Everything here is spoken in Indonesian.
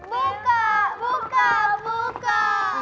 buka buka buka